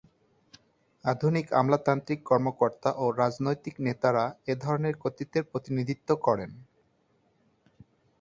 আধুনিক আমলাতান্ত্রিক কর্মকর্তা ও রাজনৈতিক নেতারা এ ধরনের কর্তৃত্বের প্রতিনিধিত্ব করেন।